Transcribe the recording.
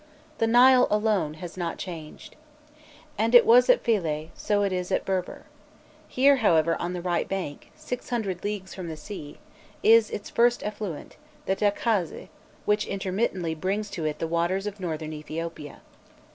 The Nile alone has not changed. And it was at Philse, so it is at Berber. Here, however, on the right bank, 600 leagues from the sea, is its first affluent, the Takazze, which intermittently brings to it the waters of Northern Ethiopia.